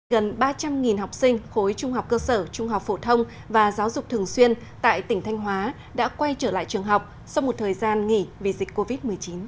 gần ba trăm linh học sinh khối trung học cơ sở trung học phổ thông và giáo dục thường xuyên tại tỉnh thanh hóa đã quay trở lại trường học sau một thời gian nghỉ vì dịch covid một mươi chín